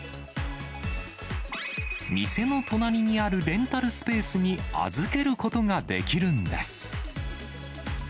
店の隣にあるレンタルスペースに預けることができるんです。